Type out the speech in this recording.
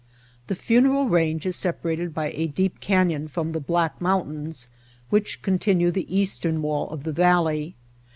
The Funeral Range is separated by a deep canyon from the Black Mountains which con tinue the eastern wall of the valley.